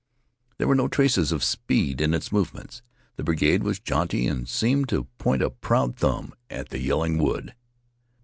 There were no traces of speed in its movements. The brigade was jaunty and seemed to point a proud thumb at the yelling wood.